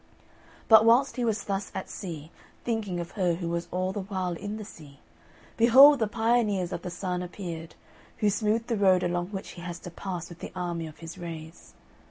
But whilst he was thus at sea, thinking of her who was all the while in the sea, behold the pioneers of the Sun appeared, who smooth the road along which he has to pass with the army of his rays.